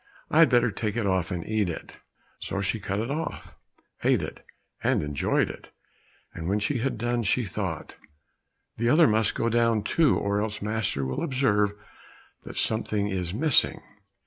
I had better take it off and eat it." So she cut it off, ate it, and enjoyed it, and when she had done, she thought, "the other must go down too, or else master will observe that something is missing."